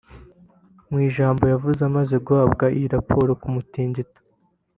Mu ijambo yavuze amaze guhabwa iyi raporo ku mutingito